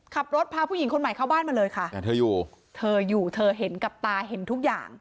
ขับรถพาผู้หญิงคนใหม่เข้าบ้านมาเลยค่ะแต่เธออยู่เธออยู่เธอเห็นกับตาเห็นทุกอย่าง